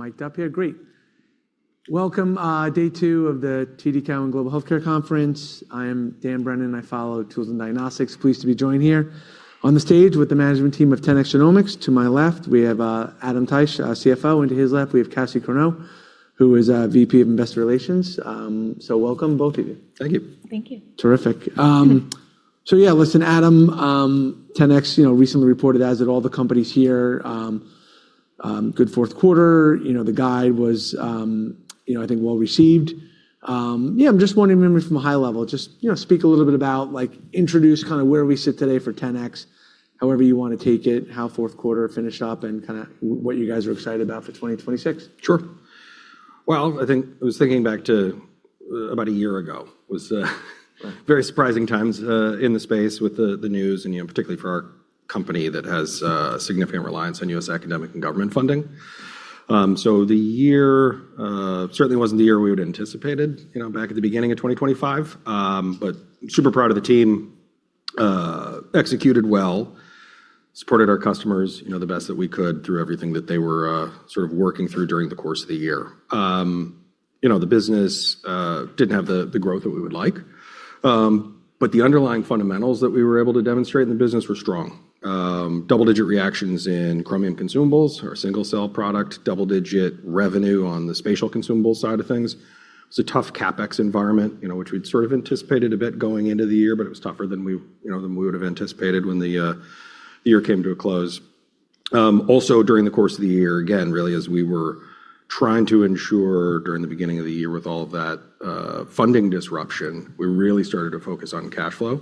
I'm mic'd up here. Great. Welcome, day two of the TD Cowen Global Healthcare Conference. I am Dan Brennan. I follow tools and diagnostics. Pleased to be joined here on the stage with the management team of 10x Genomics. To my left, we have Adam Taich, our CFO, and to his left, we have Cassie Corneau, who is our VP of Investor Relations. Welcome both of you. Thank you. Thank you. Terrific. Yeah, listen, Adam, 10x, you know, recently reported as did all the companies here, good fourth quarter. The guide was, you know, I think well-received. I'm just wondering maybe from a high level, just, you know, speak a little bit about like introduce kind of where we sit today for 10x, however you want to take it, how fourth quarter finished up, and kind of what you guys are excited about for 2026. Sure. Well, I think I was thinking back to about a year ago was very surprising times in the space with the news and, you know, particularly for our company that has significant reliance on U.S. academic and government funding. The year certainly wasn't the year we would've anticipated, you know, back at the beginning of 2025. Super proud of the team, executed well, supported our customers, you know, the best that we could through everything that they were sort of working through during the course of the year. You know, the business didn't have the growth that we would like, but the underlying fundamentals that we were able to demonstrate in the business were strong. Double-digit reactions in Chromium consumables, our single-cell product, double-digit revenue on the Spatial Consumable side of things. It was a tough CapEx environment, you know, which we'd sort of anticipated a bit going into the year, but it was tougher than we, you know, than we would've anticipated when the year came to a close. Also during the course of the year, again, really as we were trying to ensure during the beginning of the year with all of that funding disruption, we really started to focus on cash flow.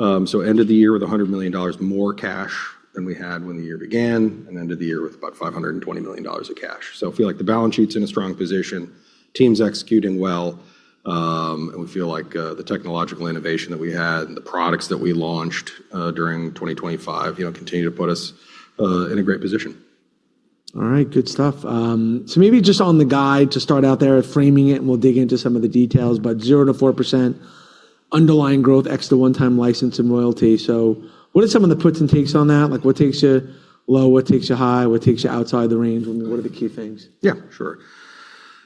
Ended the year with $100 million more cash than we had when the year began and ended the year with about $520 million of cash. Feel like the balance sheet's in a strong position, team's executing well, and we feel like the technological innovation that we had and the products that we launched during 2025, you know, continue to put us in a great position. All right. Good stuff. Maybe just on the guide to start out there framing it, and we'll dig into some of the details, but 0%-4% underlying growth ex the one-time license and royalty. What are some of the puts and takes on that? Like, what takes you low? What takes you high? What takes you outside the range? I mean, what are the key things? Sure.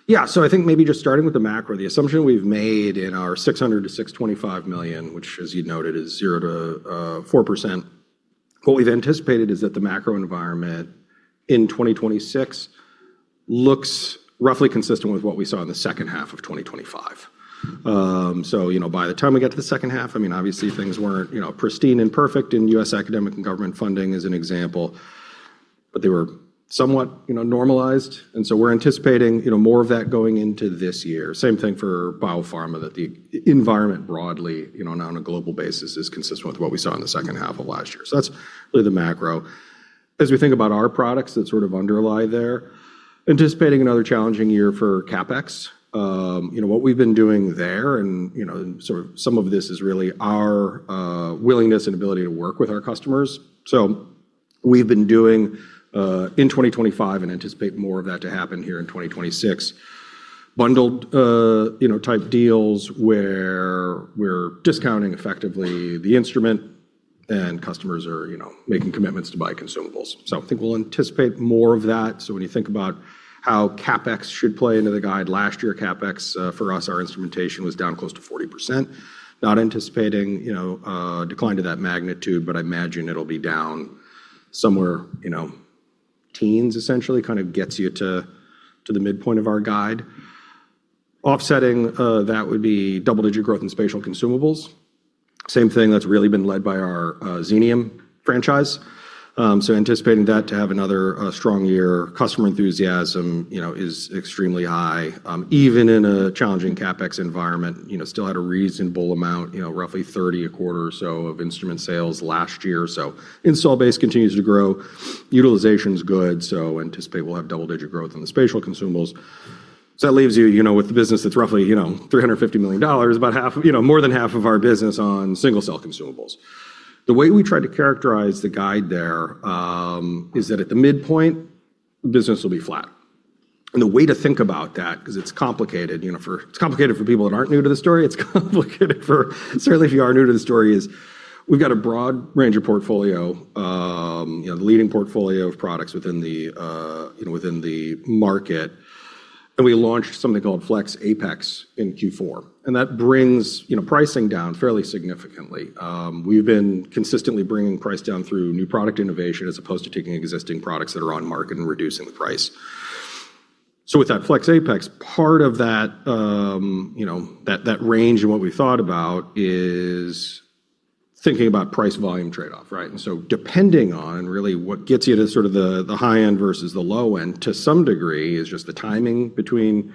Yeah. I think maybe just starting with the macro, the assumption we've made in our $600 million-$625 million, which as you noted, is 0%-4%. What we've anticipated is that the macro environment in 2026 looks roughly consistent with what we saw in the second half of 2025. You know, by the time we got to the second half, I mean, obviously things weren't, you know, pristine and perfect in U.S. academic and government funding as an example, but they were somewhat, you know, normalized. We're anticipating, you know, more of that going into this year. Same thing for biopharma, that the environment broadly, you know, on a global basis is consistent with what we saw in the second half of last year. That's really the macro. As we think about our products that sort of underlie there, anticipating another challenging year for CapEx. you know, what we've been doing there and, you know, and sort of some of this is really our willingness and ability to work with our customers. we've been doing in 2025 and anticipate more of that to happen here in 2026, bundled, you know, type deals where we're discounting effectively the instrument and customers are, you know, making commitments to buy consumables. I think we'll anticipate more of that. When you think about how CapEx should play into the guide, last year, CapEx, for us, our instrumentation was down close to 40%. Not anticipating, you know, a decline to that magnitude, I imagine it'll be down somewhere, you know, teens essentially kinda gets you to the midpoint of our guide. Off setting that would be double-digit growth in Spatial Consumables. Same thing that's really been led by our Xenium franchise. Anticipating that to have another strong year. Customer enthusiasm, you know, is extremely high. Even in a challenging CapEx environment, you know, still had a reasonable amount, you know, roughly 30 a quarter or so of instrument sales last year. Install base continues to grow. Utilization's good, anticipate we'll have double-digit growth on the Spatial Consumables. That leaves you know, with the business that's roughly, you know, $350 million, about half of, you know, more than half of our business on single-cell consumables. The way we try to characterize the guide there, is that at the midpoint, business will be flat. The way to think about that, 'cause it's complicated, you know, It's complicated for people that aren't new to the story. It's complicated for certainly if you are new to the story, is we've got a broad range of portfolio, you know, leading portfolio of products within the, you know, within the market, and we launched something called Flex Apex in Q4, that brings, you know, pricing down fairly significantly. We've been consistently bringing price down through new product innovation as opposed to taking existing products that are on market and reducing the price. With that Flex Apex, part of that, you know, that range and what we thought about is thinking about price-volume trade-off, right? Depending on really what gets you to sort of the high end versus the low end to some degree is just the timing between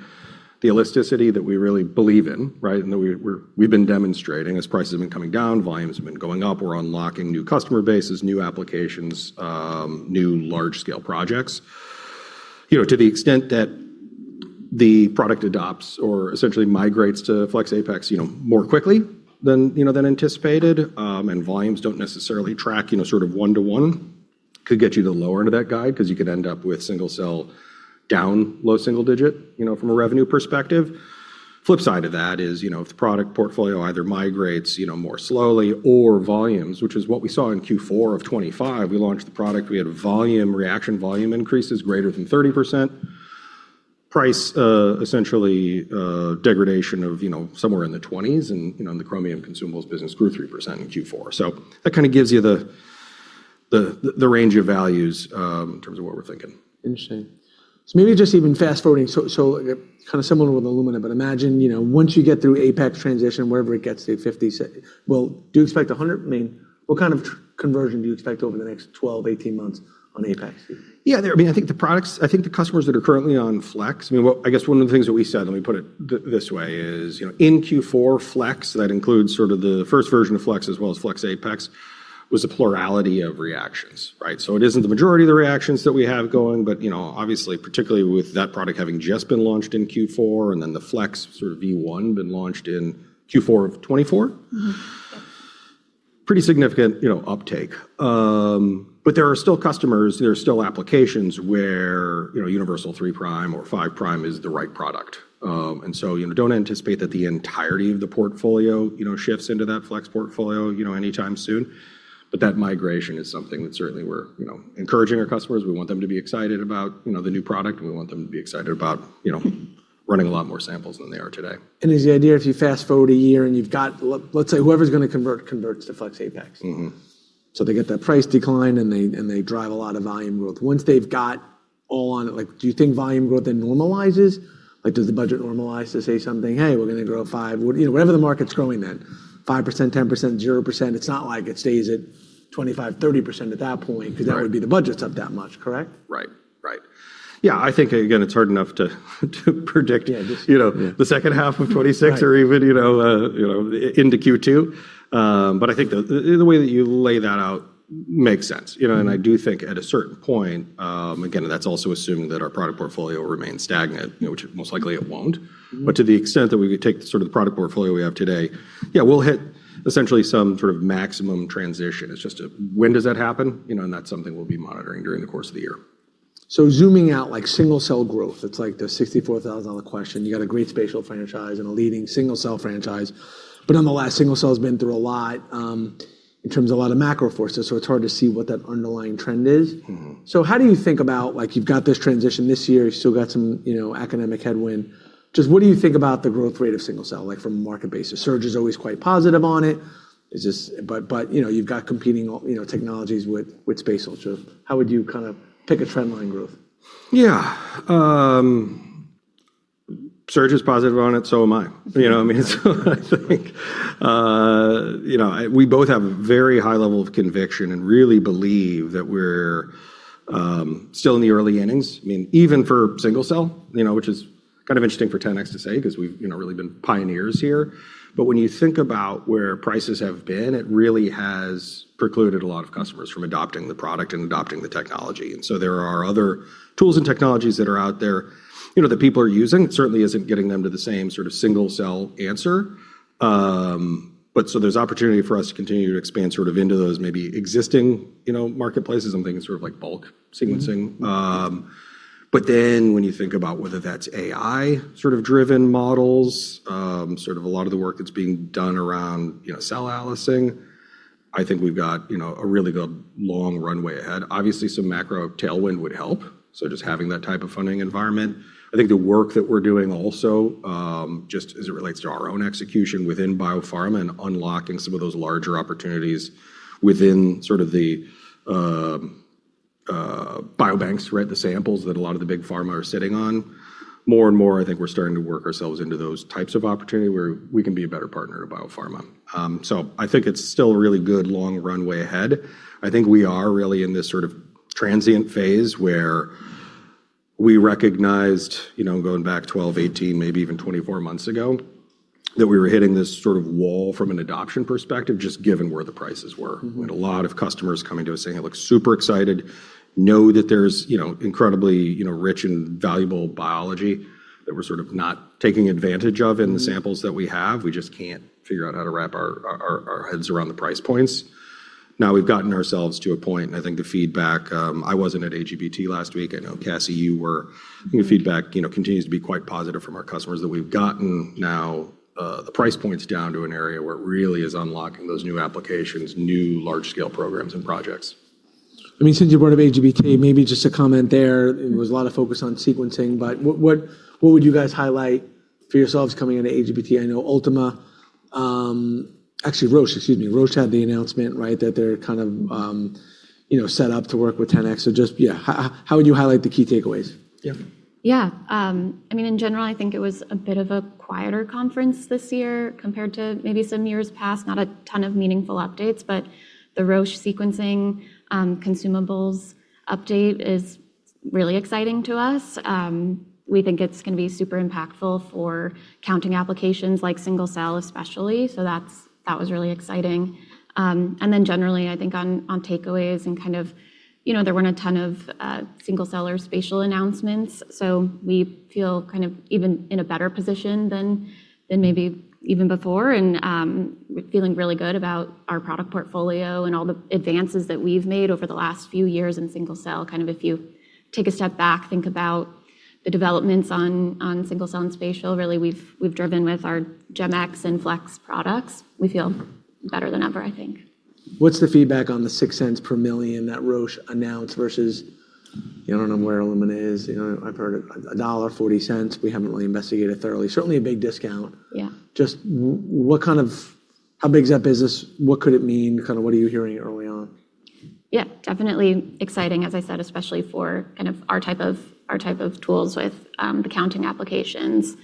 the elasticity that we really believe in, right, and that we're, we've been demonstrating. As prices have been coming down, volumes have been going up. We're unlocking new customer bases, new applications, new large-scale projects. You know, to the extent that the product adopts or essentially migrates to Flex, you know, more quickly than, you know, than anticipated, and volumes don't necessarily track, you know, sort of one-to-one could get you the lower end of that guide 'cause you could end up with single-cell down low single digit, you know, from a revenue perspective. Flip side of that is, you know, if the product portfolio either migrates, you know, more slowly or volumes, which is what we saw in Q4 of 2025, we launched the product, we had a volume reaction, volume increases greater than 30%. Price essentially degradation of, you know, somewhere in the 20s, and, you know, the Chromium consumables business grew 3% in Q4. That kinda gives you the, the range of values in terms of what we're thinking. Interesting. Maybe just even fast-forwarding so kind of similar with Illumina, but imagine, you know, once you get through Apex transition, wherever it gets to 50, do you expect 100? I mean, what kind of conversion do you expect over the next 12, 18 months on Apex? Yeah, I mean, I think the customers that are currently on Flex, I mean. Well, I guess one of the things that we said, let me put it this way, is, you know, in Q4, Flex, that includes sort of the first version of Flex as well as Flex Apex, was a plurality of reactions, right? It isn't the majority of the reactions that we have going, but you know, obviously, particularly with that product having just been launched in Q4 and then the Flex sort of V1 been launched in Q4 of 2024. Pretty significant, you know, uptake. There are still customers, there are still applications where, you know, Universal 3' or 5' is the right product. You know, don't anticipate that the entirety of the portfolio, you know, shifts into that Flex portfolio, you know, anytime soon. That migration is something that certainly we're, you know, encouraging our customers. We want them to be excited about, you know, the new product, and we want them to be excited about, you know, running a lot more samples than they are today. Is the idea if you fast-forward a year, let's say whoever's gonna convert converts to Flex Apex. They get that price decline, and they drive a lot of volume growth. Once they've got all on it, like, do you think volume growth then normalizes? Does the budget normalize to say something, "Hey, we're gonna grow 5%." You know, whatever the market's growing then, 5%, 10%, 0%. It's not like it stays at 25%, 30% at that point. Right. That would be the budgets up that much, correct? Right. Right. Yeah, I think again, it's hard enough to. Yeah, just, Yeah. You know, the second half of 2026. Right. Or even, you know, into Q2. I think the way that you lay that out makes sense. You know, I do think at a certain point, again, that's also assuming that our product portfolio remains stagnant, you know, which most likely it won't. To the extent that we could take sort of the product portfolio we have today, yeah, we'll hit essentially some sort of maximum transition. It's just when does that happen, you know, and that's something we'll be monitoring during the course of the year. Zooming out, like single-cell growth, it's like the $64,000 question. You got a great spatial franchise and a leading single-cell franchise. Nonetheless, single-cell's been through a lot, in terms of a lot of macro forces, so it's hard to see what that underlying trend is. How do you think about, like, you've got this transition this year, you've still got some, you know, academic headwind. Just what do you think about the growth rate of single-cell, like from a market basis? Serge is always quite positive on it. You know, you've got competing, you know, technologies with spatial. Just how would you kind of pick a trend line growth? Serge is positive on it, so am I. You know what I mean? I think, you know, we both have a very high level of conviction and really believe that we're still in the early innings. I mean, even for single-cell, you know, which is kind of interesting for 10x to say 'cause we've, you know, really been pioneers here. When you think about where prices have been, it really has precluded a lot of customers from adopting the product and adopting the technology. There are other tools and technologies that are out there, you know, that people are using. It certainly isn't getting them to the same sort of single-cell answer. There's opportunity for us to continue to expand sort of into those maybe existing, you know, marketplaces and things sort of like bulk sequencing. When you think about whether that's AI sort of driven models, sort of a lot of the work that's being done around, you know, cell atlasing, I think we've got, you know, a really good long runway ahead. Obviously, some macro tailwind would help, just having that type of funding environment. I think the work that we're doing also, just as it relates to our own execution within biopharma and unlocking some of those larger opportunities within sort of the biobanks, right? The samples that a lot of the big pharma are sitting on. More and more, I think we're starting to work ourselves into those types of opportunity where we can be a better partner to biopharma. I think it's still a really good long runway ahead. I think we are really in this sort of transient phase where we recognized, you know, going back 12, 18, maybe even 24 months ago, that we were hitting this sort of wall from an adoption perspective, just given where the prices were. We had a lot of customers coming to us saying, "Look, super excited. Know that there's, you know, incredibly, you know, rich and valuable biology that we're sort of not taking advantage of in the samples that we have. We just can't figure out how to wrap our heads around the price points." We've gotten ourselves to a point, and I think the feedback, I wasn't at AGBT last week. I know, Cassie, you were. The feedback, you know, continues to be quite positive from our customers that we've gotten now, the price points down to an area where it really is unlocking those new applications, new large-scale programs and projects. I mean, since you brought up AGBT, maybe just a comment there. There was a lot of focus on sequencing, but what would you guys highlight for yourselves coming into AGBT? I know Ultima, actually Roche, excuse me, Roche had the announcement, right? That they're kind of, you know, set up to work with 10x. Just, how would you highlight the key takeaways? Yeah. I mean, in general, I think it was a bit of a quieter conference this year compared to maybe some years past. Not a ton of meaningful updates. The Roche sequencing consumables update is really exciting to us. We think it's gonna be super impactful for counting applications like single-cell especially. That was really exciting. Generally, I think on takeaways and kind of, you know, there weren't a ton of single-cell or spatial announcements. We feel kind of even in a better position than maybe even before. We're feeling really good about our product portfolio and all the advances that we've made over the last few years in single-cell. Kind of if you take a step back, think about the developments on single-cell and spatial, really we've driven with our GEM-X and Flex products. We feel better than ever, I think. What's the feedback on the $0.06 per million that Roche announced versus, you know, I don't know where Illumina is. You know, I've heard $1.40. We haven't really investigated thoroughly. Certainly a big discount. Yeah. How big is that business? What could it mean? Kind of what are you hearing early on? Yeah, definitely exciting, as I said, especially for kind of our type of, our type of tools with, the counting applications.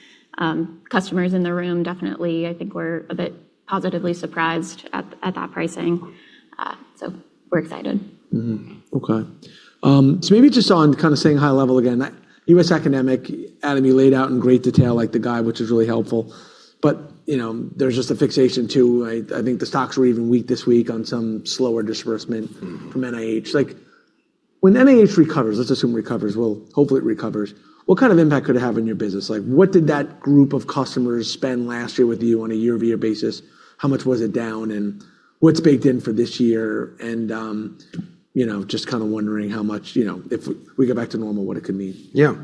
Customers in the room definitely, I think, were a bit positively surprised at that pricing. We're excited. Okay. Maybe just on kind of staying high level again, that U.S. economic, Adam, you laid out in great detail, like the guide, which was really helpful. You know, there's just a fixation too. I think the stocks were even weak this week on some slower disbursement from NIH. Like, when NIH recovers, let's assume recovers, well, hopefully it recovers, what kind of impact could it have on your business? Like, what did that group of customers spend last year with you on a year-over-year basis? How much was it down, and what's baked in for this year? You know, just kind of wondering how much, you know, if we go back to normal, what it could mean? Yeah.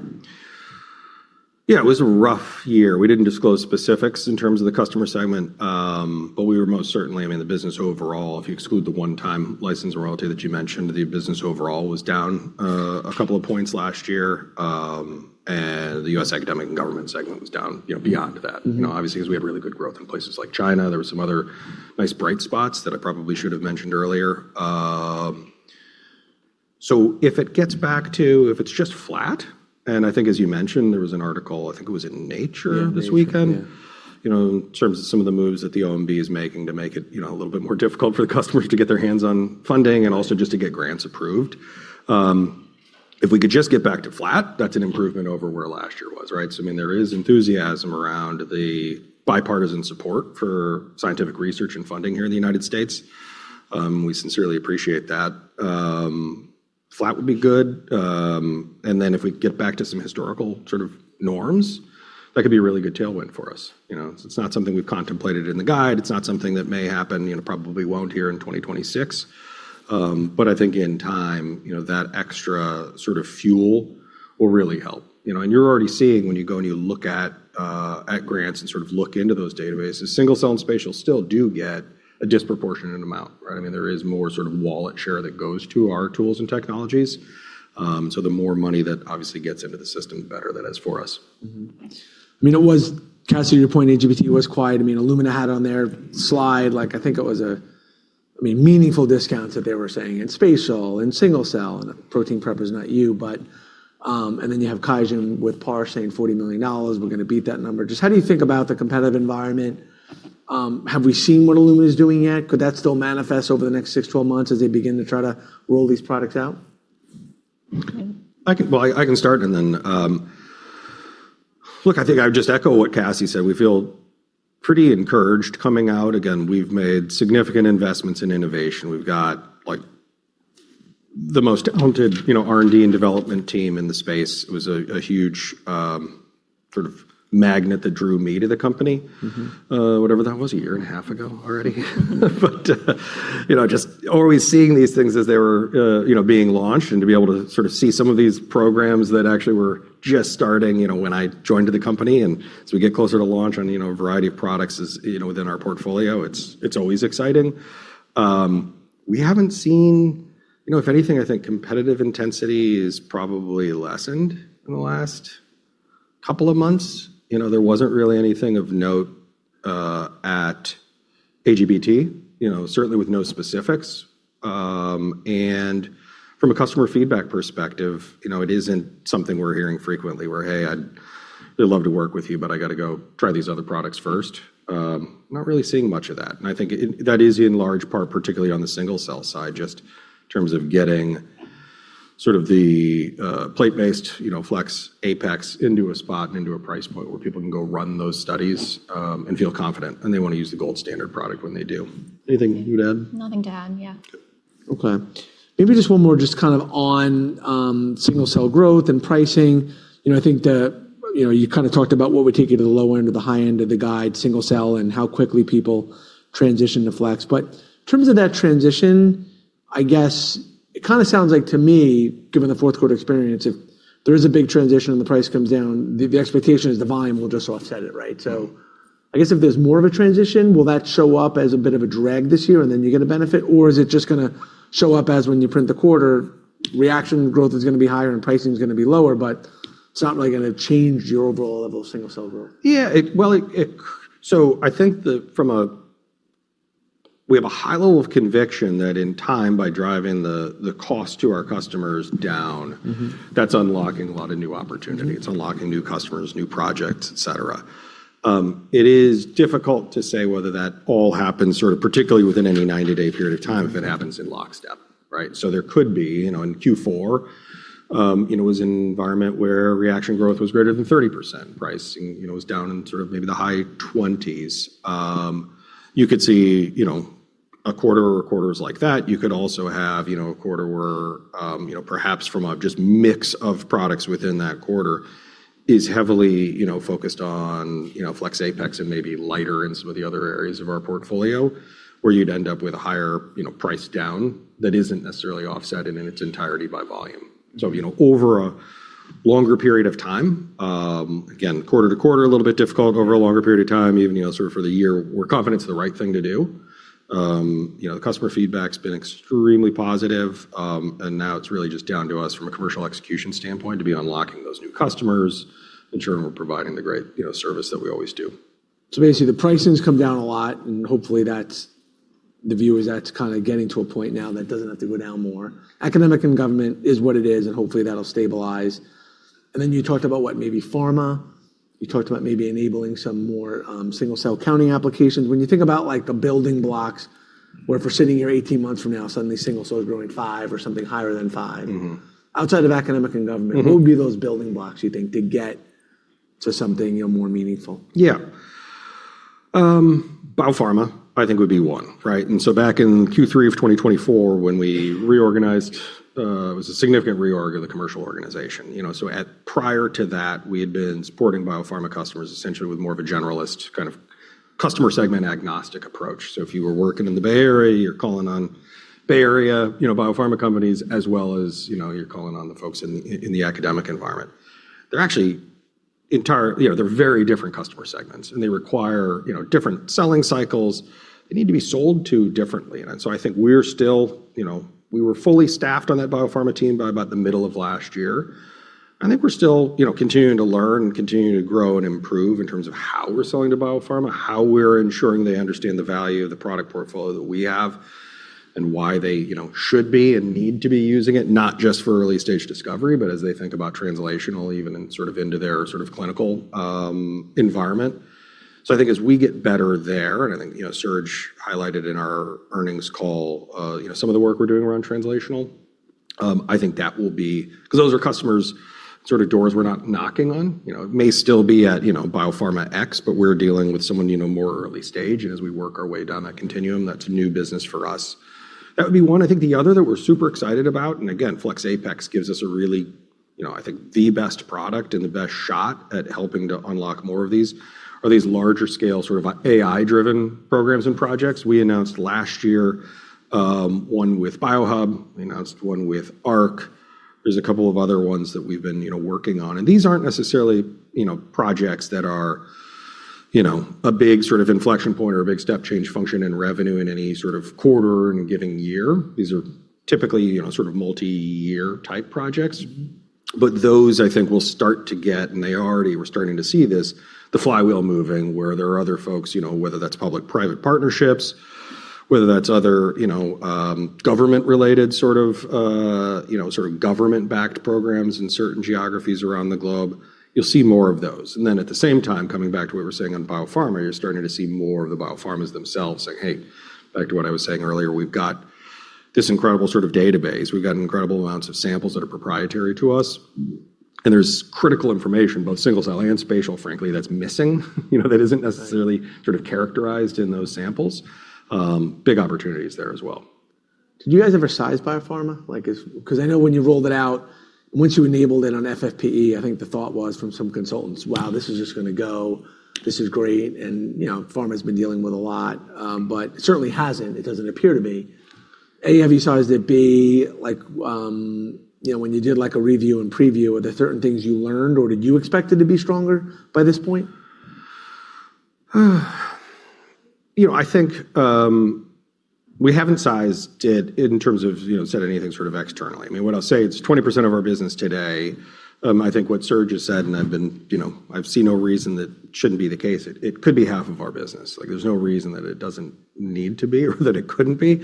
Yeah, it was a rough year. We didn't disclose specifics in terms of the customer segment. We were most certainly. I mean, the business overall, if you exclude the one-time license royalty that you mentioned, the business overall was down a couple of points last year. The U.S. academic and government segment was down, you know, beyond that. You know, obviously, because we have really good growth in places like China. There were some other nice bright spots that I probably should have mentioned earlier. If it's just flat, and I think as you mentioned, there was an article, I think it was in Nature this weekend. Yeah, Nature, yeah. You know, in terms of some of the moves that the OMB is making to make it, you know, a little bit more difficult for the customers to get their hands on funding and also just to get grants approved. If we could just get back to flat, that's an improvement over where last year was, right? I mean, there is enthusiasm around the bipartisan support for scientific research and funding here in the United States. We sincerely appreciate that. Flat would be good. Then if we get back to some historical sort of norms, that could be a really good tailwind for us. You know, it's not something we've contemplated in the guide. It's not something that may happen, you know, probably won't here in 2026. I think in time, you know, that extra sort of fuel will really help. You know, you're already seeing when you go, and you look at grants and sort of look into those databases, single-cell and spatial still do get a disproportionate amount, right? I mean, there is more sort of wallet share that goes to our tools and technologies. The more money that obviously gets into the system, the better that is for us. I mean, it was, Cassie, to your point, AGBT was quiet. I mean, Illumina had on their slide, like, I think it was, I mean, meaningful discounts that they were saying in spatial, in single-cell, and protein prep is not you, but. You have QIAGEN with Parse saying $40 million, we're gonna beat that number. Just how do you think about the competitive environment? Have we seen what Illumina is doing yet? Could that still manifest over the next six, 12 months as they begin to try to roll these products out? Okay. Well, I can start and then. Look, I think I would just echo what Cassie said. We feel pretty encouraged coming out. Again, we've made significant investments in innovation. We've got, like, the most talented, you know, R&D and development team in the space. It was a huge, sort of magnet that drew me to the company. Whatever that was, 1.5 years ago already. You know, just always seeing these things as they were, you know, being launched and to be able to sort of see some of these programs that actually were just starting, you know, when I joined the company. As we get closer to launch on, you know, a variety of products is, you know, within our portfolio, it's always exciting. We haven't seen, if anything, I think competitive intensity is probably lessened in the last couple of months. There wasn't really anything of note, at AGBT, you know, certainly with no specifics. From a customer feedback perspective, you know, it isn't something we're hearing frequently where, "Hey, I'd love to work with you, but I gotta go try these other products first." Not really seeing much of that, and I think that is in large part, particularly on the single-cell side, just in terms of getting sort of the plate-based, you know, Flex Apex into a spot and into a price point where people can go run those studies, and feel confident, and they want to use the gold standard product when they do. Anything you would add? Nothing to add. Yeah. Maybe just one more just kind of on single-cell growth and pricing. You know, I think you know, you kind of talked about what would take you to the low end or the high end of the guide single-cell and how quickly people transition to Flex. In terms of that transition, I guess it kind of sounds like to me, given the fourth quarter experience, if there is a big transition and the price comes down, the expectation is the volume will just offset it, right? I guess if there's more of a transition, will that show up as a bit of a drag this year, and then you get a benefit? Or is it just gonna show up as when you print the quarter, reaction growth is gonna be higher and pricing is gonna be lower, but it's not really gonna change your overall level of single-cell growth? Yeah. Well, I think We have a high level of conviction that in time, by driving the cost to our customers down, that's unlocking a lot of new opportunities. It's unlocking new customers, new projects, et cetera. It is difficult to say whether that all happens sort of particularly within any 90-day period of time, if it happens in lockstep, right? There could be, you know, in Q4, you know, it was an environment where reaction growth was greater than 30%. Pricing, you know, was down in sort of maybe the high 20s. You could see, you know, a quarter or quarters like that. You could also have, you know, a quarter where, you know, perhaps from a just mix of products within that quarter is heavily, you know, focused on, you know, Flex Apex and maybe lighter in some of the other areas of our portfolio, where you'd end up with a higher, you know, price down that isn't necessarily off-set in its entirety by volume. You know, over a longer period of time, again, quarter-to-quarter, a little bit difficult over a longer period of time, even, you know, sort of for the year, we're confident it's the right thing to do. You know, the customer feedback's been extremely positive, now it's really just down to us from a commercial execution standpoint to be unlocking those new customers, ensuring we're providing the great, you know, service that we always do. Basically, the pricing's come down a lot, and hopefully that's the view is that's kinda getting to a point now that it doesn't have to go down more. Academic and government is what it is, and hopefully that'll stabilize. Then you talked about what maybe pharma, you talked about maybe enabling some more single-cell counting applications. When you think about like the building blocks, where if we're sitting here 18 months from now, suddenly single-cell is growing five or something higher than five. Outside of academic and government. Who would be those building blocks, you think, to get to something, you know, more meaningful? Yeah. biopharma I think would be one, right? Back in Q3 of 2024 when we reorganized, it was a significant reorg of the commercial organization. You know, prior to that, we had been supporting biopharma customers essentially with more of a generalist kind of customer segment agnostic approach. If you were working in the Bay Area, you're calling on Bay Area, you know, biopharma companies as well as, you know, you're calling on the folks in the academic environment. They're actually, you know, they're very different customer segments, and they require, you know, different selling cycles. They need to be sold to differently. I think we're still, you know, we were fully staffed on that biopharma team by about the middle of last year. I think we're still, you know, continuing to learn and continuing to grow and improve in terms of how we're selling to biopharma, how we're ensuring they understand the value of the product portfolio that we have and why they, you know, should be and need to be using it, not just for early-stage discovery, but as they think about translational even in sort of into their sort of clinical environment. I think as we get better there, and I think, you know, Serge highlighted in our earnings call, you know, some of the work we're doing around translational, I think that will be, 'cause those are customers sort of doors we're not knocking on. You know, it may still be at, you know, Biopharma X, but we're dealing with someone, you know, more early stage. As we work our way down that continuum, that's new business for us. That would be one. I think the other that we're super excited about, and again, Flex Apex gives us a really, you know, I think the best product and the best shot at helping to unlock more of these are these larger scale, sort of AI-driven programs and projects. We announced last year, one with Biohub. We announced one with Arc. There's a couple of other ones that we've been, you know, working on, and these aren't necessarily, you know, projects that are, you know, a big sort of inflection point or a big step change function in revenue in any sort of quarter in a given year. These are typically, you know, sort of multi-year type projects. Those I think will start to get, and they already we're starting to see this, the flywheel moving, where there are other folks, you know, whether that's public-private partnerships, whether that's other, you know, government-related sort of, you know, sort of government-backed programs in certain geographies around the globe. You'll see more of those. At the same time, coming back to what we're saying on biopharma, you're starting to see more of the biopharma's themselves saying, "Hey," back to what I was saying earlier, "we've got this incredible sort of database. We've got incredible amounts of samples that are proprietary to us, and there's critical information, both single-cell and spatial, frankly, that's missing, you know, that isn't necessarily sort of characterized in those samples." Big opportunities there as well. Did you guys ever size biopharma? Like 'cause I know when you rolled it out, once you enabled it on FFPE, I think the thought was from some consultants, "Wow, this is just gonna go. This is great." You know, pharma's been dealing with a lot, but it certainly hasn't. It doesn't appear to be. A, have you sized it be like, you know, when you did like a review and preview, are there certain things you learned, or did you expect it to be stronger by this point? You know, I think, we haven't sized it in terms of, you know, said anything sort of externally. I mean, what I'll say, it's 20% of our business today. I think what Serge has said, and I've been, you know, I see no reason that shouldn't be the case. It, it could be half of our business. Like, there's no reason that it doesn't need to be or that it couldn't be.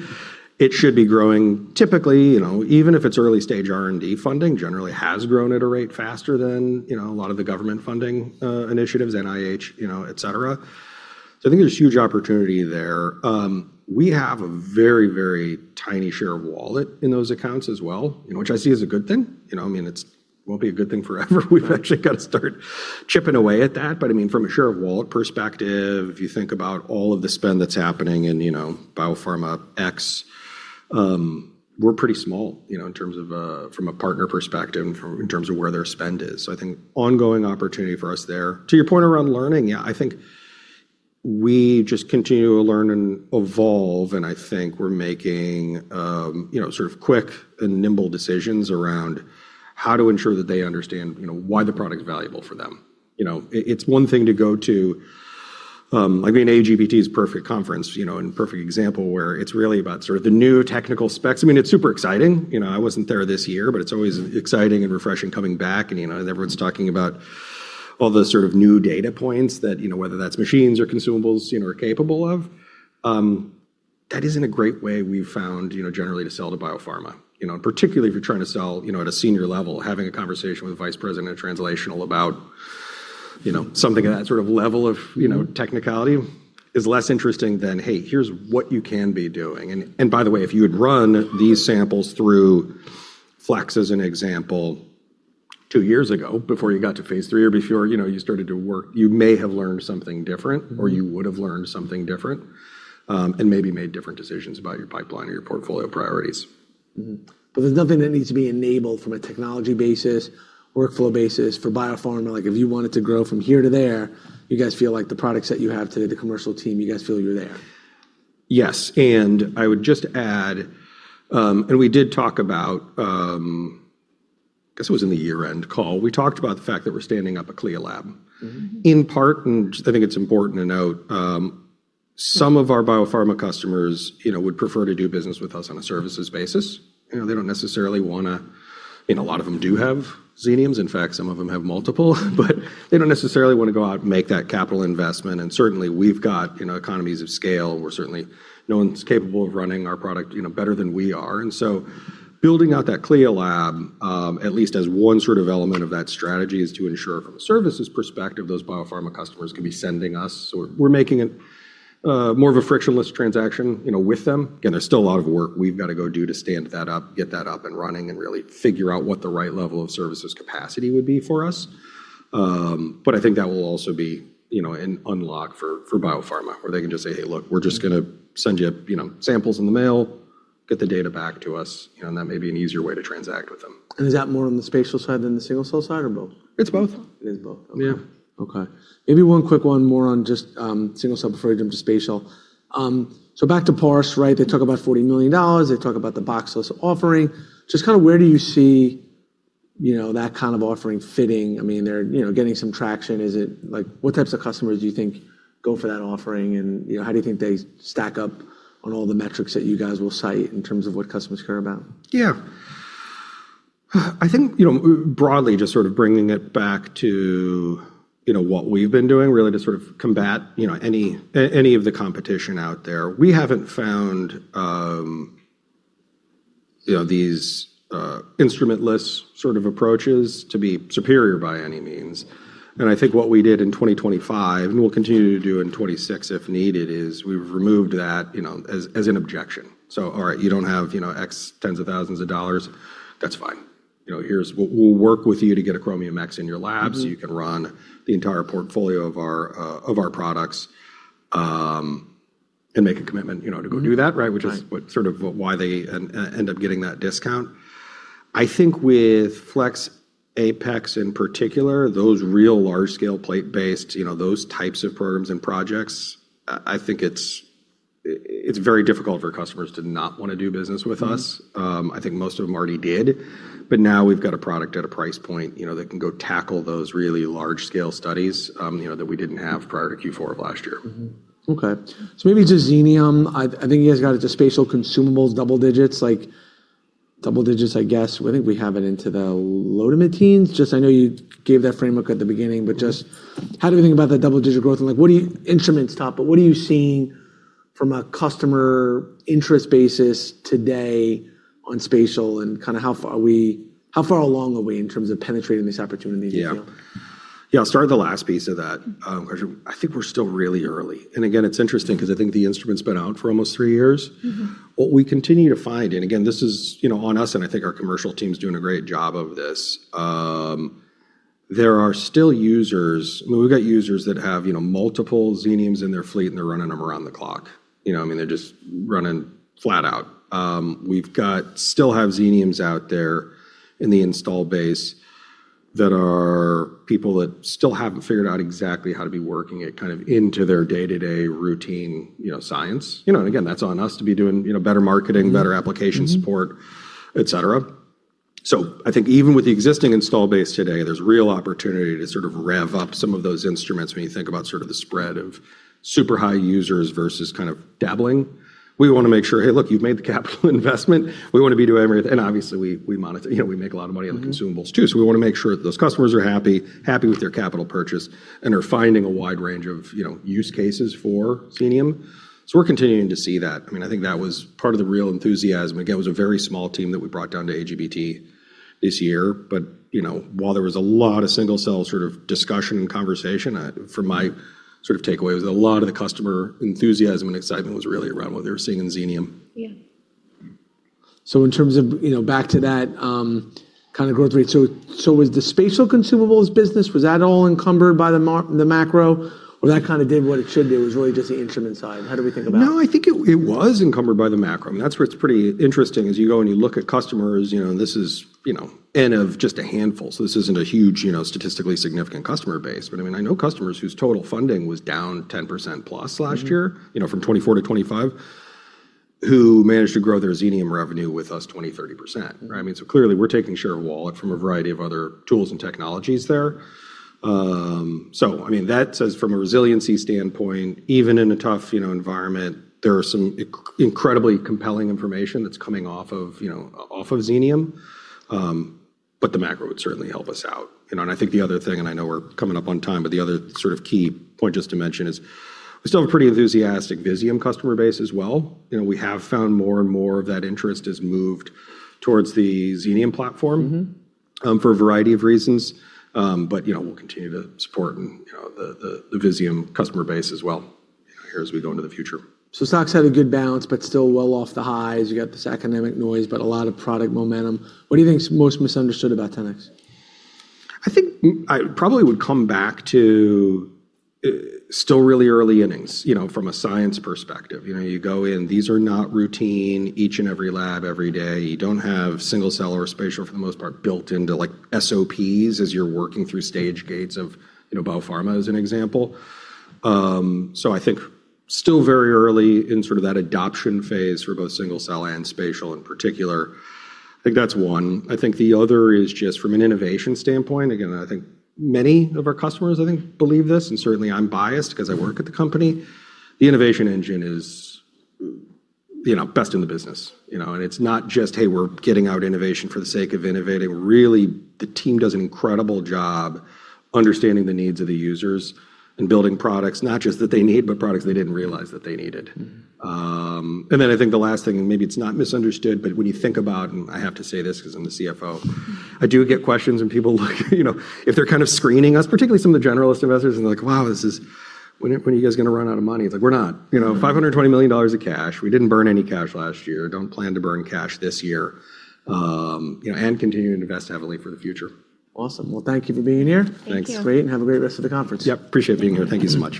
It should be growing typically, you know, even if it's early-stage R&D funding, generally has grown at a rate faster than, you know, a lot of the government funding, initiatives, NIH, you know, et cetera. I think there's huge opportunity there. We have a very, very tiny share of wallet in those accounts as well, you know, which I see as a good thing. You know, I mean, it's won't be a good thing forever. We've actually gotta start chipping away at that. I mean, from a share of wallet perspective, if you think about all of the spend that's happening in, you know, biopharma X, we're pretty small, you know, in terms of from a partner perspective and in terms of where their spend is. I think ongoing opportunity for us there. To your point around learning, yeah, I think we just continue to learn and evolve, and I think we're making, you know, sort of quick and nimble decisions around how to ensure that they understand, you know, why the product is valuable for them. You know, it's one thing to go to, I mean, AGBT's a perfect conference, you know, and perfect example where it's really about sort of the new technical specs. I mean, it's super exciting. You know, I wasn't there this year, but it's always exciting and refreshing coming back and, you know, everyone's talking about all the sort of new data points that, you know, whether that's machines or consumables, you know, are capable of. That isn't a great way we've found, you know, generally to sell to biopharma. You know, particularly if you're trying to sell, you know, at a senior level, having a conversation with a vice president of translational about, you know, something at that sort of level of, you know, technicality is less interesting than, "Hey, here's what you can be doing." By the way, if you had run these samples through Flex as an example two years ago before you got to phase III or before, you know, you started to work, you may have learned something different- You would've learned something different, and maybe made different decisions about your pipeline or your portfolio priorities. There's nothing that needs to be enabled from a technology basis, workflow basis for biopharma. Like, if you want it to grow from here to there, you guys feel like the products that you have today, the commercial team, you guys feel you're there? Yes, I would just add, and we did talk about, guess it was in the year-end call, we talked about the fact that we're standing up a CLIA lab. In part, just I think it's important to note, some of our biopharma customers, you know, would prefer to do business with us on a services basis. You know, they don't necessarily wanna. A lot of them do have Xeniums. In fact, some of them have multiple. They don't necessarily wanna go out and make that capital investment. Certainly, we've got, you know, economies of scale. No one's capable of running our product, you know, better than we are. Building out that CLIA lab, at least as one sort of element of that strategy, is to ensure from a services perspective, those biopharma customers can be sending us or we're making it more of a frictionless transaction, you know, with them. There's still a lot of work we've gotta go do to stand that up, get that up and running, and really figure out what the right level of services capacity would be for us. I think that will also be, you know, an unlock for biopharma, where they can just say, "Hey, look, we're just gonna send you know, samples in the mail, get the data back to us," you know, and that may be an easier way to transact with them. Is that more on the spatial side than the single-cell side or both? It's both. It is both. Yeah. Okay. Maybe one quick one more on just single-cell before I jump to spatial. Back to Parse, right? They talk about $40 million. They talk about the box-less offering. Just kinda where do you see, you know, that kind of offering fitting? I mean, they're, you know, getting some traction. Like what types of customers do you think go for that offering? You know, how do you think they stack up on all the metrics that you guys will cite in terms of what customers care about? Yeah. I think, you know, broadly, just sort of bringing it back to, you know, what we've been doing really to sort of combat, you know, any of the competition out there. We haven't found, you know, these instrument-less sort of approaches to be superior by any means. I think what we did in 2025, and we'll continue to do in 2026 if needed, is we've removed that, you know, as an objection. All right, you don't have, you know, $X tens of thousands of dollars, that's fine. You know, We'll work with you to get a Chromium X in your lab. You can run the entire portfolio of our products, and make a commitment, you know to go do that, right? Right. Which is what sort of why they end up getting that discount. I think with Flex Apex in particular, those real large scale plate-based, you know, those types of programs and projects, I think it's very difficult for customers to not wanna do business with us. I think most of them already did. Now we've got a product at a price point, you know, that can go tackle those really large scale studies, you know, that we didn't have prior to Q4 of last year. Okay. Maybe to Xenium, I think you guys got into Spatial Consumables double digits, like double digits I guess. I think we have it into the low to mid-teens. I know you gave that framework at the beginning, how do we think about that double-digit growth and like Instruments top, but what are you seeing from a customer interest basis today on spatial and kinda how far along are we in terms of penetrating these opportunities, do you feel? Yeah, I'll start with the last piece of that question. I think we're still really early, and again, it's interesting 'cause I think the instrument's been out for almost three years. What we continue to find, and again, this is, you know, on us, and I think our commercial team's doing a great job of this. There are still users. I mean, we've got users that have, you know, multiple Xeniums in their fleet, and they're running them around the clock. You know what I mean? They're just running flat out. We still have Xeniums out there in the install base that are people that still haven't figured out exactly how to be working it kind of into their day-to-day routine, you know, science. You know, again, that's on us to be doing, you know, better marketing better application support et cetera. I think even with the existing install base today, there's real opportunity to sort of rev up some of those instruments when you think about sort of the spread of super high users versus kind of dabbling. We wanna make sure, hey look, you've made the capital investment. We wanna be doing everything. Obviously we. You know, we make a lot of money on the consumables too, so we wanna make sure that those customers are happy with their capital purchase and are finding a wide range of, you know, use cases for Xenium. We're continuing to see that. I mean, I think that was part of the real enthusiasm. Again, it was a very small team that we brought down to AGBT this year, you know, while there was a lot of single-cell sort of discussion and conversation, from my sort of takeaway was a lot of the customer enthusiasm and excitement was really around what they were seeing in Xenium. Yeah. In terms of, you know, back to that, kind of growth rate, so was the Spatial Consumables business, was that all encumbered by the macro, or that kinda did what it should do. It was really just the instrument side. How do we think about it? No, I think it was encumbered by the macro. That's where it's pretty interesting is you go and you look at customers, you know, and this is, you know, N of just a handful, so this isn't a huge, you know, statistically significant customer base. I mean, I know customers whose total funding was down 10% plus last year. You know, from 2024 to 2025, who managed to grow their Xenium revenue with us 20%-30%, right? I mean, clearly we're taking share of wallet from a variety of other tools and technologies there. I mean, that says from a resiliency standpoint, even in a tough, you know, environment, there are some incredibly compelling information that's coming off of, you know, off of Xenium. The macro would certainly help us out. You know, and I think the other thing, and I know we're coming up on time, the other sort of key point just to mention is we still have a pretty enthusiastic Visium customer base as well. You know, we have found more and more of that interest has moved towards the Xenium platform. For a variety of reasons. You know, we'll continue to support, and, you know, the Visium customer base as well, you know, here as we go into the future. Stock's had a good balance, but still well off the highs. You got this economic noise, but a lot of product momentum. What do you think is most misunderstood about 10x? I probably would come back to still really early innings, you know, from a science perspective. You know, you go in, these are not routine each and every lab, every day. You don't have single-cell or spatial for the most part built into like SOPs as you're working through stage gates of, you know, biopharma as an example. I think still very early in sort of that adoption phase for both single-cell and spatial in particular. I think that's one. I think the other is just from an innovation standpoint, again, I think many of our customers I think believe this, and certainly I'm biased 'cause I work at the company. The innovation engine is, you know, best in the business. You know, it's not just, hey, we're getting out innovation for the sake of innovating. The team does an incredible job understanding the needs of the users and building products, not just that they need, but products they didn't realize that they needed. I think the last thing, and maybe it's not misunderstood, but when you think about, and I have to say this 'cause I'm the CFO, I do get questions and people like, you know, if they're kind of screening us, particularly some of the generalist investors, and they're like, "Wow, this is when, when are you guys gonna run out of money?" It's like, we're not. You know, $520 million of cash. We didn't burn any cash last year. Don't plan to burn cash this year. You know, continuing to invest heavily for the future. Awesome. Well, thank you for being here. Thanks. Great. Have a great rest of the conference. Yep. Appreciate being here. Thank you so much.